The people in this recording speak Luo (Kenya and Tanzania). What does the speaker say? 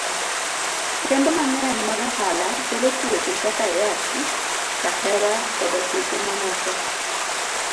Kembe mang'eny mag ohala kelo tuoche kaka ayaki, kahera, koda tuoche ma moko.